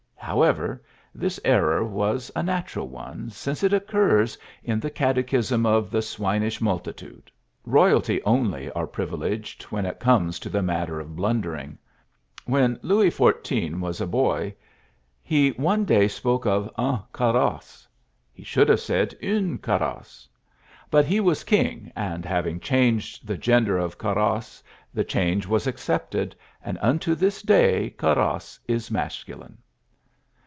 However, this error was a natural one, since it occurs in the "Catechism of the Swinish Multitude." Royalty only are privileged when it comes to the matter of blundering. When Louis XIV. was a boy he one day spoke of "un carosse"; he should have said "une carosse," but he was king, and having changed the gender of carosse the change was accepted, and unto this day carosse is masculine.